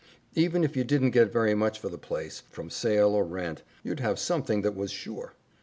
Even if you didn't get very much for the place, from sale or rent, you'd have something that was sure.